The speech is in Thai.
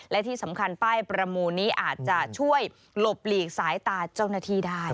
และที่สำคัญป้ายประมูลนี้อาจจะช่วยหลบหลีกสายตาเจ้าหน้าที่ได้